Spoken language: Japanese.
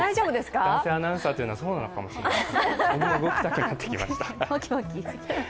男性アナウンサーというのはそうかもしれません。